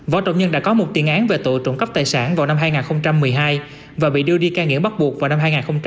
võ trọng nhân đã có một tiền án về tội trộm cắp tài sản vào năm hai nghìn một mươi hai và bị đưa đi ca nghiện bắt buộc vào năm hai nghìn một mươi